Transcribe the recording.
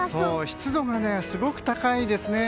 湿度がすごく高いですね。